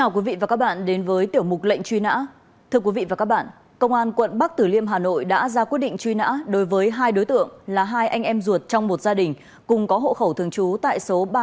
cảm ơn quý vị và các bạn đã quan tâm theo dõi